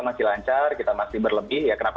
masih lancar kita masih berlebih ya kenapa